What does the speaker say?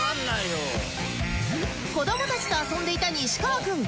子どもたちと遊んでいた西川くん